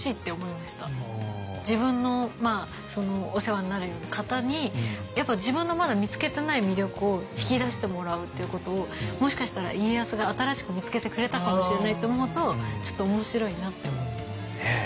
自分のお世話になる方に自分のまだ見つけてない魅力を引き出してもらうっていうことをもしかしたら家康が新しく見つけてくれたかもしれないと思うとちょっと面白いなって思いますね。